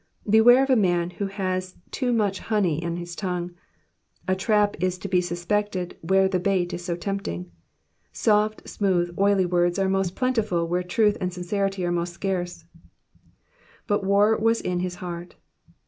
Beware of a man who has too much honey on his tongue ; a trap is to be suspected where the bait is so tempting. Soft, smooth, oily words are most plentiful where truth and sincerity are most scarce. '^^But war was in his heart.''''